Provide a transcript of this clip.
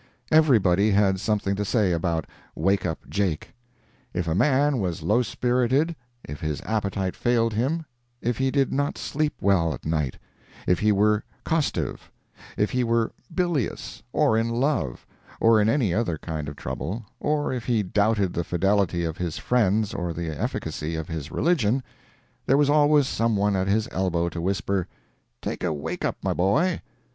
Everybody had something to say about "wake up Jake." If a man was low spirited; if his appetite failed him; if he did not sleep well at night; if he were costive; if he were bilious; or in love; or in any other kind of trouble; or if he doubted the fidelity of his friends or the efficacy of his religion, there was always some one at his elbow to whisper, "Take a 'wake up,' my boy."